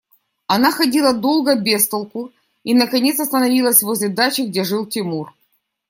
Она ходила долго без толку и наконец остановилась возле дачи, где жил Тимур.